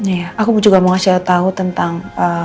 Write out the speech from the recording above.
iya aku juga mau ngasih tau tentang